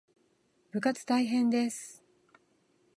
部活大変です